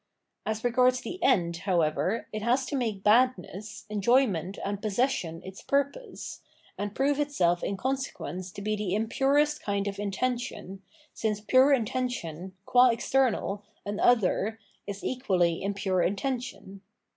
As regards the end, however, it has to make badness, enjoyment, and possession, its purpose, and prove itself in consequence to be the impurest kind of mtention, since pure intention, gw external, an other, is equally impure intention.